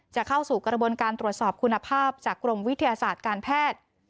จะเข้าสู่กระบวนการตรวจสอบคุณภาพจากกรมวิทยาศาสตร์การแพทย์